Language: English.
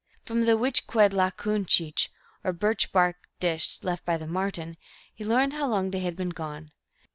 From the witch kived lakun cheech, or birch bark dish, left by Martin, he learned how long they had been gone.